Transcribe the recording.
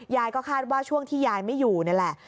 ยายก็คาดว่าช่วงที่ยายไม่อยู่นี่แหละ